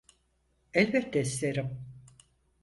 Elbette isterim.